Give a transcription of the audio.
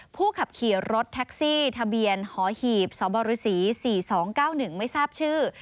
ผู้ขับขี่รถแท็กซี่ทะเบียนหอหีบสบฤษ๔๒๙๑ไม่ทราบชื่อ